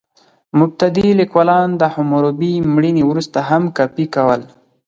مبتدي لیکوالان د حموربي مړینې وروسته هم کاپي کول.